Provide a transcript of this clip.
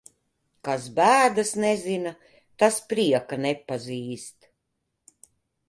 Kas bēdas nezina, tas prieka nepazīst.